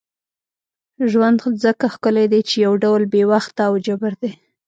ژوند ځکه ښکلی دی چې یو ډول بې وخته او جبر دی.